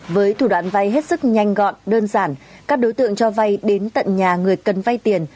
với thủ đoạn vay hết sức nhanh gọn đơn giản các đối tượng cho vay đến tận nhà người cần vay tiền